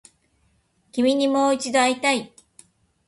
君にもう一度会いたい